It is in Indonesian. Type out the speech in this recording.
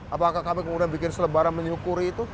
apakah kami kemudian bikin selebaran menyukuri itu